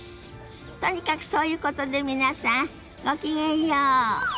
とにかくそういうことで皆さんごきげんよう。